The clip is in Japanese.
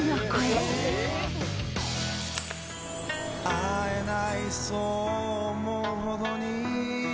「会えないそう思うほどに」